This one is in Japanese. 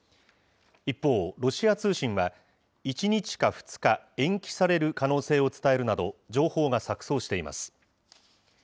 一方、ロシア通信は、１日か２日延期される可能性を伝えるなど、情報が錯そうしています。